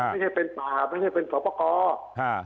ไม่ใช่เป็นป่าไม่ใช่เป็นสอบประกอบ